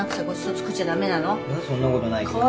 そんなことないけど。